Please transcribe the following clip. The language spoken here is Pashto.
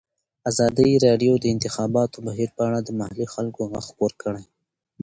ازادي راډیو د د انتخاباتو بهیر په اړه د محلي خلکو غږ خپور کړی.